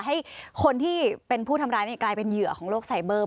ให้คนที่เป็นผู้ทำร้ายกลายเป็นเหยื่อของโลกไซเบอร์